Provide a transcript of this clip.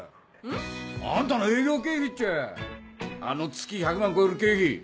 ん？あんたの営業経費っちゃ！あの月１００万超える経費